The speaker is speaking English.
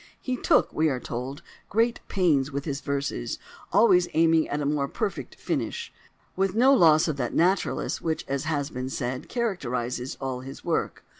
"He took," we are told, "great pains with his verses," always aiming at a more perfect finish, with no loss of that naturalness which, as has been said, characterises all his work.